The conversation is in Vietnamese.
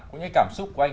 cũng như cảm xúc của anh